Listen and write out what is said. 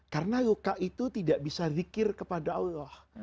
karena luka itu tidak bisa zikir kepada allah